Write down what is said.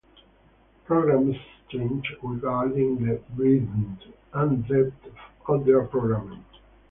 Programs change regarding the breadth and depth of their programming.